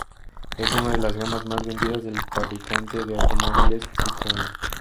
Es una de las gamas más vendidas del fabricante de automóviles Citroën.